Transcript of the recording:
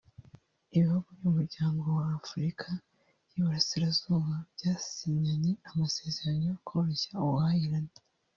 Ibihugu byo mu muryango wa Afurika y’Iburasirazuba byasinye amasezerano yo koroshya ubuhahirane